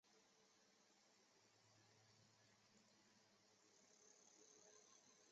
附近还有建于唐朝开元十一年的周公测景台。